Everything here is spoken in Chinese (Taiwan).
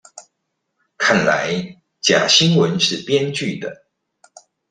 看來假新聞是編劇的